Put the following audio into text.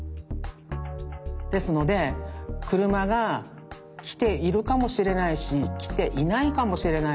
ですのでくるまがきているかもしれないしきていないかもしれないし。